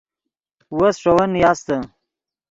وس ݰے ون نیاستے